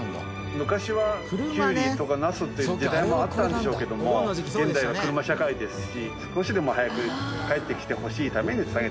昔はキュウリとかナスっていう時代もあったんでしょうけども現代は車社会ですし少しでも早く帰ってきてほしいために下げてます。